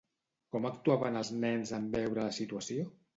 Com actuaven els nens en veure la situació?